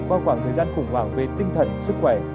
qua khoảng thời gian khủng hoảng về tinh thần sức khỏe